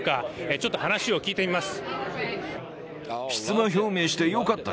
ちょっと話を聞いてみます。